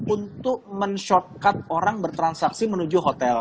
untuk men shortcut orang bertransaksi menuju hotel